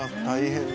大変。